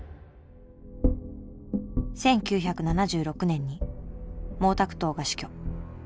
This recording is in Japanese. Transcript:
１９７６年に毛沢東が死去。